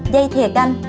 dây thịa canh